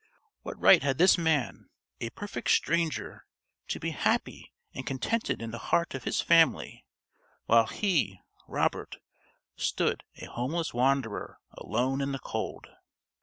What right had this man a perfect stranger to be happy and contented in the heart of his family, while he, Robert, stood, a homeless wanderer, alone in the cold?